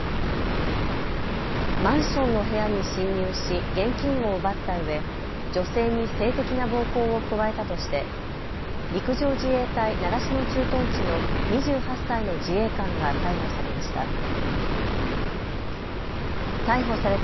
マンションの部屋に侵入し現金を奪ったうえ、女性に性的な暴行を加えたとして陸上自衛隊習志野駐屯地の２８歳の自衛官が逮捕されました。